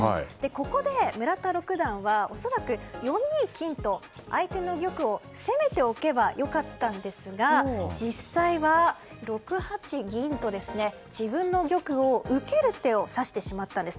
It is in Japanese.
ここで村田六段は恐らく４二金と相手の玉を攻めておけば良かったんですが実際は、６八銀と自分の玉を受ける手を指してしまったんです。